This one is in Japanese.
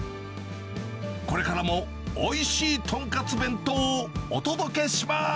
これからもおいしいとんかつ弁当をお届けしまーす。